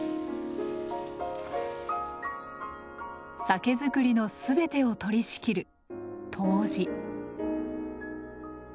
酒造りのすべてを取り仕切る杜氏。